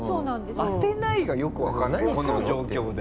「あてない」がよくわかんないこの状況で。